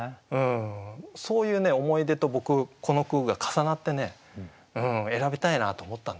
そういう思い出と僕この句が重なってね選びたいなと思ったんですよね。